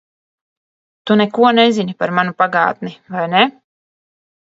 Tu neko nezini par manu pagātni, vai ne?